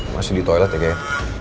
masih di toilet ya kayaknya